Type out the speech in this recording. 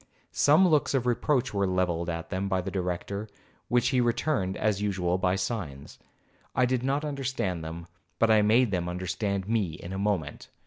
Some looks of reproach were levelled by them at the Director, which he returned, as usual, by signs. I did not understand them, but I made them understand me in a moment.